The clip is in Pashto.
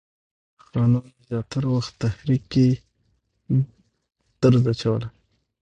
خانانو زیاتره وخت تحریک کې درز اچولی.